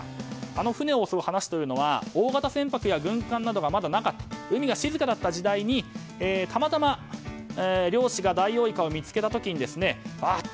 あの船を襲う話は大型船舶や戦艦などがまだなかった海が静かだった時代にたまたま漁師がダイオウイカを見つけた時にあっ！